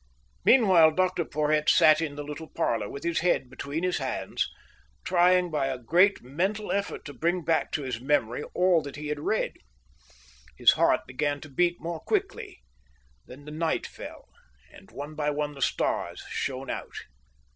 Meanwhile Dr Porhoët sat in the little parlour, with his head between his hands, trying by a great mental effort to bring back to his memory all that he had read. His heart began to beat more quickly. Then the night fell, and one by one the stars shone out.